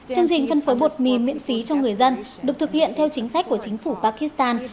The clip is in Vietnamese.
chương trình phân phối bột mì miễn phí cho người dân được thực hiện theo chính sách của chính phủ pakistan